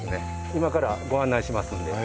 今からご案内しますんで。